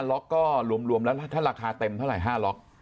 ล็อกก็รวมแล้วถ้าราคาเต็มเท่าไหร่๕ล็อก